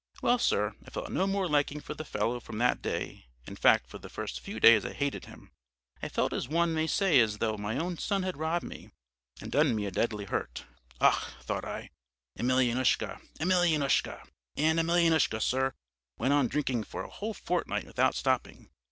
Well, sir, I felt no more liking for the fellow from that day, in fact for the first few days I hated him. I felt as one may say as though my own son had robbed me, and done me a deadly hurt. Ach, thought I, Emelyanoushka, Emelyanoushka! And Emelyanoushka, sir, went on drinking for a whole fortnight without stopping.